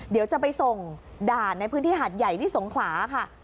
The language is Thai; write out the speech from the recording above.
เดี๋ยวจะไปส่งด่านในพื้นที่หาดใหญ่ที่สงขลาค่ะ